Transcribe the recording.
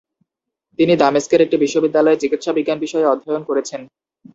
তিনি দামেস্কের একটি বিশ্ববিদ্যালয়ে চিকিৎসাবিজ্ঞান বিষয়ে অধ্যয়ন করেছেন।